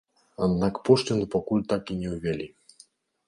Аднак пошліну пакуль так і не ўвялі.